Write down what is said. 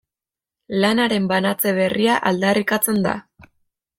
Lanaren banatze berria aldarrikatzen da.